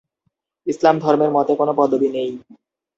ইসলাম ধর্মের মতে কোন পদবি নেই।